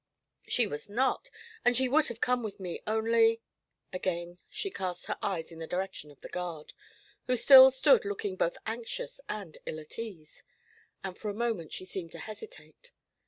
'She was not, and she would have come with me, only ' Again she cast her eyes in the direction of the guard, who still stood looking both anxious and ill at ease, and for a moment she seemed to hesitate.